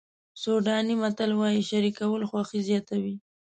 سوډاني متل وایي شریکول خوښي زیاتوي.